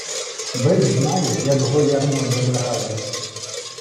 Бик знає, як го ярмо долягає.